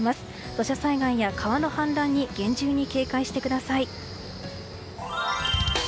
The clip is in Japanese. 土砂災害や川の氾濫に厳重に警戒してください。